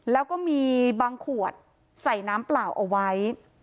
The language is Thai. แล้วก็มีบางขวดใส่น้ำเปล่าเอาไว้